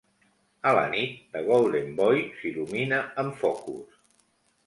A la nit, The Golden Boy s'il·lumina amb focus.